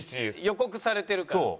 予告されてるから。